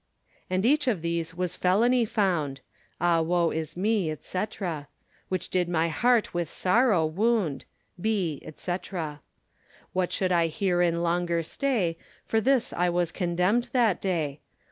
And each of these was fellony found, Ah woe is me, &c. Which did my heart with sorrow wound, Be, &c. What should I heerein longer stay, For this I was condemned that day.